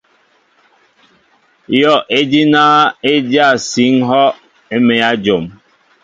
Yɔʼejina e dyá síŋ hɔʼ e mέa jom.